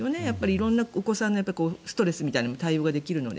色んなお子さんのストレスみたいなのに対応できるので。